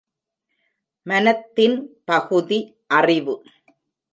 மனத்தின் பகுதி அறிவு.